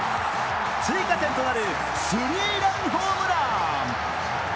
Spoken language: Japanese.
追加点となるスリーランホームラン！